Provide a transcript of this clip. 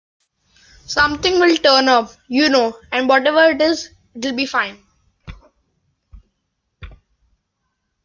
Something will turn up, you know, and whatever it is it'll be fine.